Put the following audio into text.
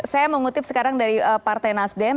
saya mengutip sekarang dari partai nasdem